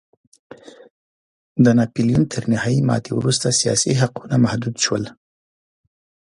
د ناپلیون تر نهايي ماتې وروسته سیاسي حقونه محدود شول.